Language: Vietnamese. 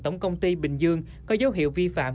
tổng công ty bình dương có dấu hiệu vi phạm